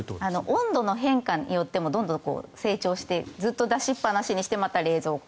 温度の変化によってもどんどん成長してずっと出しっぱなしにしてまた冷蔵庫。